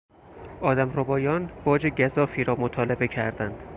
آدمربایان باج گزافی را مطالبه کردند.